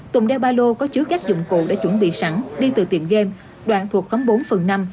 tùng đeo ba lô có chứa các dụng cụ đã chuẩn bị sẵn đi từ tiệm game đoạn thuộc khấm bốn phần năm